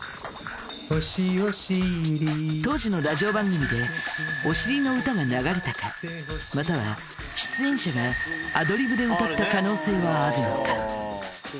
おしおしり当時のラジオ番組でお尻の歌が流れたかまたは出演者がアドリブで歌った可能性はあるのか？